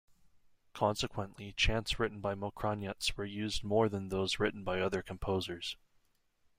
Consequently, chants written by Mokranjac were used more than those written by other composers.